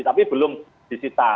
tapi belum disita